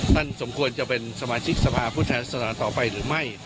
ท่านสมควรจะเป็นสมาชิกสภาพุทธศาสนานต่อไปหรือไม่